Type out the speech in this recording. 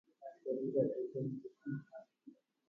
Pépe ikatu hendy'i.